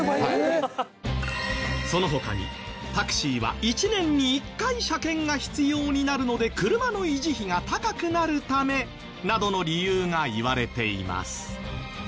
その他にタクシーは１年に１回車検が必要になるので車の維持費が高くなるためなどの理由がいわれています。